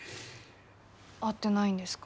会ってないんですか？